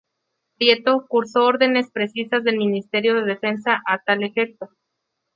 Prieto cursó órdenes precisas del ministerio de Defensa a tal efecto.